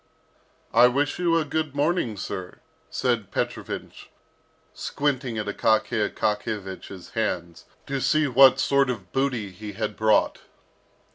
"I wish you a good morning, sir," said Petrovich squinting at Akaky Akakiyevich's hands, to see what sort of booty he had brought.